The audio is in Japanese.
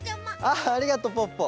ああありがとうポッポ。